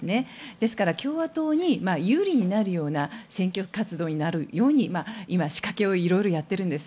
ですから、共和党に有利になるような選挙活動になるように今、仕掛けを色々やっているんです。